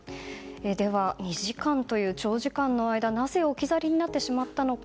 では、２時間という長時間の間なぜ置き去りになってしまったのか。